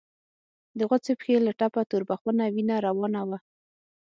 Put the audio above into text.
د غوڅې پښې له ټپه تور بخونه وينه روانه وه.